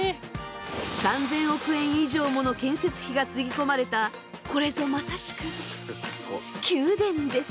３，０００億円以上もの建設費がつぎ込まれたこれぞまさしく宮殿です。